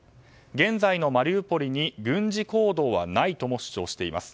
現在のマリウポリに軍事行動はないとも主張しています。